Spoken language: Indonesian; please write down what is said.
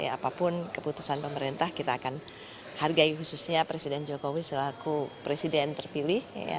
apapun keputusan pemerintah kita akan hargai khususnya presiden jokowi selaku presiden terpilih